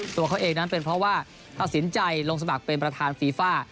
ตัวเขาเองนั้นเป็นเพราะว่าตัดสินใจลงสมัครเป็นประธานฟีฟ่า